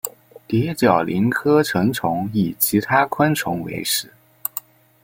蝶角蛉科成虫以其他昆虫为食。